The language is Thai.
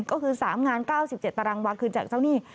ก็คือ๓งาน๙๗ตารางวาคืนจากเจ้าหนี้